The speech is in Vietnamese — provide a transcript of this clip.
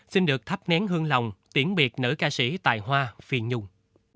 xin được thắp nén hương lòng tiễn biệt nữ ca sĩ tài hoa phi nhung